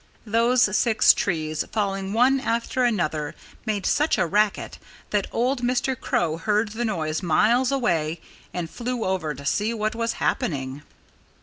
Those six trees, falling one after another, made such a racket that old Mr. Crow heard the noise miles away and flew over to see what was happening.